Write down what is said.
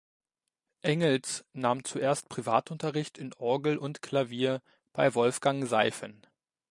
Engels nahm zuerst Privatunterricht in Orgel und Klavier bei Wolfgang Seifen.